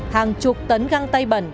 hàng chục tấn găng tay bẩn